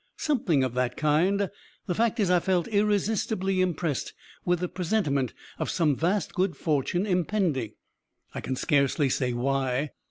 "Something of that kind. The fact is, I felt irresistibly impressed with a presentiment of some vast good fortune impending. I can scarcely say why.